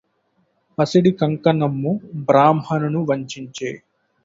పసిడి కంకణమ్ము బ్రాహ్మణు వంచించె